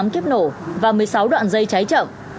năm mươi tám kiếp nổ và một mươi sáu đoạn dây cháy chậm